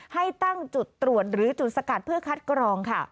ให้ตั้งจุดตรวจหรือจุดสกัดเพื่อคัดกรองค่ะ